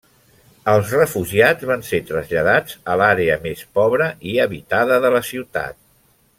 Els refugiats van ser traslladats a l'àrea més pobra i habitada de la ciutat.